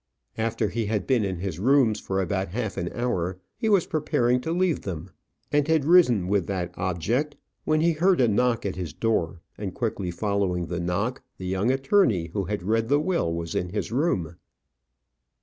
After he had been in his rooms for about half an hour, he was preparing to leave them, and had risen with that object, when he heard a knock at his door, and quickly following the knock, the young attorney who had read the will was in his room.